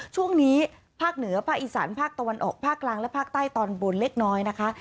ช่วงนี้ภาคเหนือภาคอีสานภาคตะวันออกภาคกลางและภาคใต้ตอนบนเล็กน้อยนะคะ